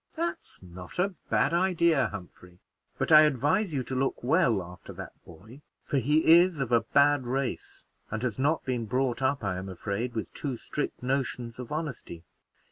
"That's not a bad idea, Humphrey; but I advise you to look well after that boy, for he is of a bad race, and has not been brought up, I am afraid, with too strict notions of honesty.